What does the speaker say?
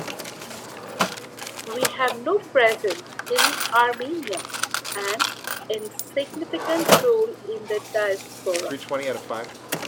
We have no presence in Armenia and insignificant role in the Diaspora.